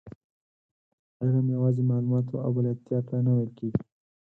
علم یوازې معلوماتو او بلدتیا ته نه ویل کېږي.